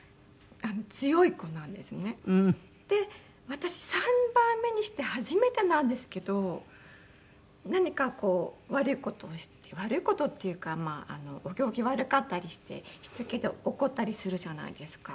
私３番目にして初めてなんですけど何かこう悪い事をして悪い事っていうかまあお行儀悪かったりしてしつけで怒ったりするじゃないですか。